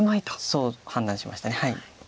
そう判断しました。